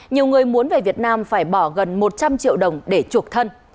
nhiều người muốn về việt nam phải bỏ gần một trăm linh triệu đồng để chuộc thân